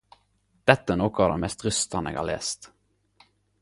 Dette er noko av det mest rystande eg har lest